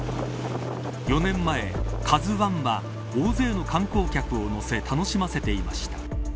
４年前ＫＡＺＵ１は大勢の観光客を乗せ楽しませていました。